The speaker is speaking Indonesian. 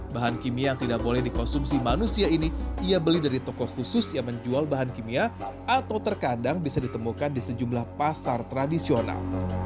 bahan kimia yang tidak boleh dikonsumsi manusia ini ia beli dari tokoh khusus yang menjual bahan kimia atau terkadang bisa ditemukan di sejumlah pasar tradisional